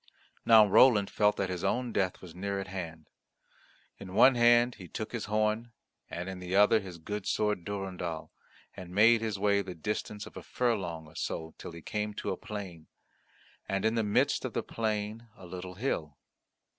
Now Roland felt that his own death was near at hand. In one hand he took his horn, and in the other his good sword Durendal, and made his way the distance of a furlong or so till he came to a plain, and in the midst of the plain a little hill.